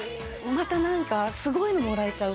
またなんかすごいのもらえちゃうと思って。